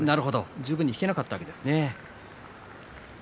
十分に引けなかったんですね。